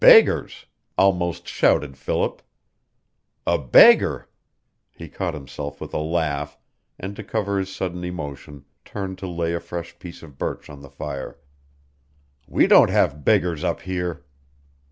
"Beggars!" almost shouted Philip. "A beggar!" He caught himself with a laugh, and to cover his sudden emotion turned to lay a fresh piece of birch on the fire. "We don't have beggars up here."